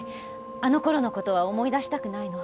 あのころのことは思い出したくないの。